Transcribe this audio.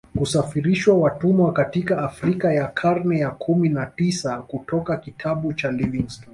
Kusafirisha watumwa katika Afrika ya karne ya kumi na tisa kutoka kitabu cha Livingstone